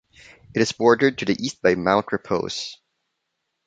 It is bordered to the east by Mount Repose.